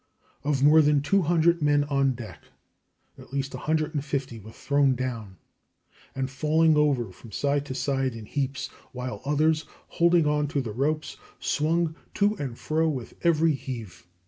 Of more than 200 men on deck, at least 150 were thrown down, and falling over from side to side in heaps, while others, holding on to the ropes, swung to and fro with every heave.